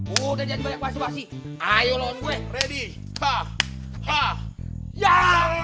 udah jadi banyak wasi wasi